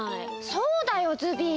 そうだよズビー。